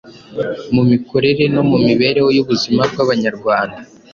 mu mikorere no mu mibereho y’ubuzima bw’Abanyarwanda